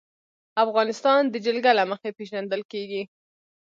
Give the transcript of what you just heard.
افغانستان د جلګه له مخې پېژندل کېږي.